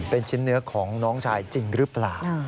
เป็นชิ้นเนื้อของน้องชายจริงหรือเปล่า